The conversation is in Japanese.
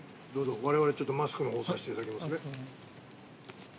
我々は、ちょっとマスクのほうをさしていただきますね。